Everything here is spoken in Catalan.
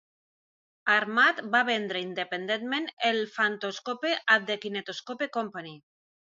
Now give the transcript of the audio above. Armat va vendre independentment el Phantoscope a The Kinetoscope Company.